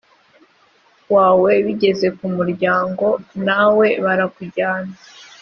wawe bigeze ku muryango nawe barakujyana